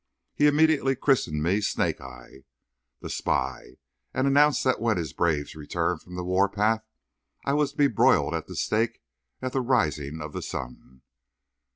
He immediately christened me Snake eye, the Spy, and announced that, when his braves returned from the warpath, I was to be broiled at the stake at the rising of the sun.